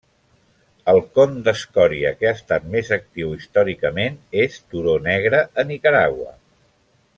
El con d'escòria que ha estat més actiu històricament és Turó Negre a Nicaragua.